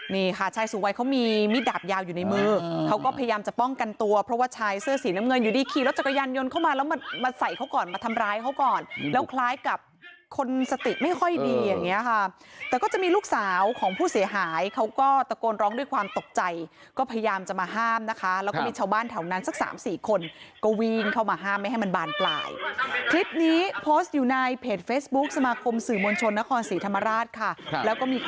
นี่ค่ะชายสูงวัยเขามีมิดดาบยาวอยู่ในมือเขาก็พยายามจะป้องกันตัวเพราะว่าชายเสื้อสีน้ำเงินอยู่ดีขี่รถจักรยานยนต์เข้ามาแล้วมาใส่เขาก่อนมาทำร้ายเขาก่อนแล้วคล้ายกับคนสติไม่ค่อยดีอย่างเนี้ยค่ะแต่ก็จะมีลูกสาวของผู้เสียหายเขาก็ตะโกนร้องด้วยความตกใจก็พยายามจะมาห้ามนะคะแล้วก็มีชาวบ้านแถวนั้นสักสาม